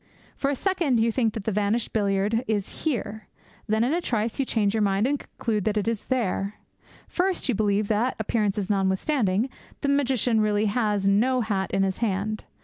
For a second you think that the vanished billiard ball is here. Then, in a trice, you change your mind, and conclude that it is there! First, you believe that, appearances notwithstanding, the magician really has no hat in his hand.